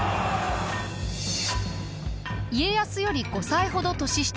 家康より５歳ほど年下です。